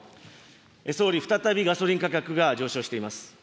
総理、再びガソリン価格が上昇しております。